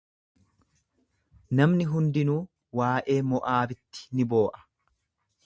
Namni hundinuu waa'ee Mo'aabitti ni boo'a.